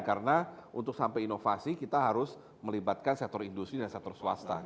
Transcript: karena untuk sampai inovasi kita harus melibatkan sektor industri dan sektor swasta